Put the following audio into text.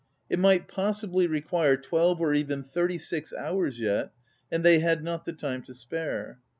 It might possibly require twelve or even thirty six hours yet, and they had not the time to spare.